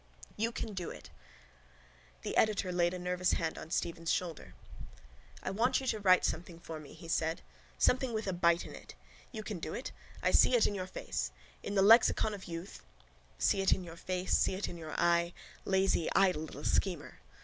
"YOU CAN DO IT!" The editor laid a nervous hand on Stephen's shoulder. —I want you to write something for me, he said. Something with a bite in it. You can do it. I see it in your face. In the lexicon of youth... See it in your face. See it in your eye. Lazy idle little schemer.